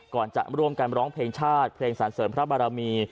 ก่อนจะร่วมกันร้องเพลงชาติเพลงสรรเสริมพระบารมี